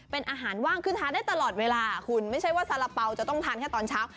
เป็นอาหารว่างคือทานได้ตลอดเวลาคุณไม่ใช่ว่าสาระเป๋าจะต้องทานแค่ตอนเช้า